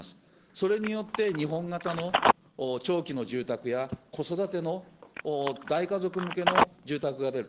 それによって日本型のちょうきの住宅や、子育ての大家族向けの住宅が出る。